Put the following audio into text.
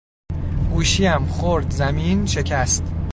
گوشیام خورد زمین شکست